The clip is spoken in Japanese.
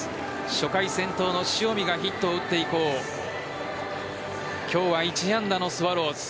初回、先頭の塩見がヒットを打って以降今日は１安打のスワローズ。